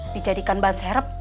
dijadikan ban serep